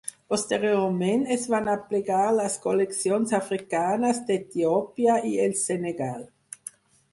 Posteriorment es van aplegar les col·leccions africanes d'Etiòpia i el Senegal.